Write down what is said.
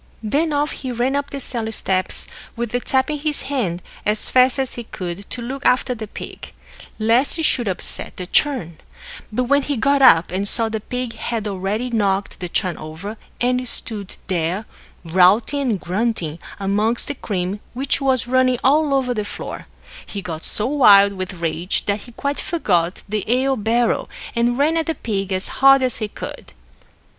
Then off he ran up the cellar steps, with the tap in his hand, as fast as he could, to look after the pig, lest it should upset the churn; but when he got up, and saw the pig had already knocked the churn over, and stood there, routing and grunting amongst the cream which was running all over the floor, he got so wild with rage that he quite forgot the ale barrel, and ran at the pig as hard as he could.